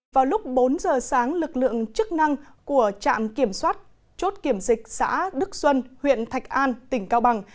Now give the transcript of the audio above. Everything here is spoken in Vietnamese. vào lúc bốn giờ sáng lực lượng chức năng của trạm kiểm soát chốt kiểm dịch xã đức xuân huyện thạch an tỉnh cao bằng